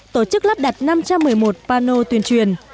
tổ chức lắp đặt năm trăm một mươi một pano tuyên truyền